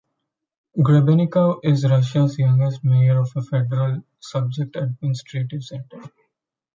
Grebennikov is Russia's youngest mayor of a federal subject administrative center.